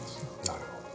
なるほどね。